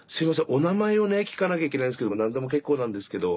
お名前をね聞かなきゃいけないんですけども何でも結構なんですけど。